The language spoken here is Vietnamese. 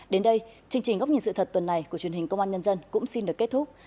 đến đây chương trình góc nhìn sự thật tuần này của truyền hình công an nhân dân cũng xin được kết thúc